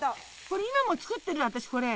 これ今も作ってる私これ。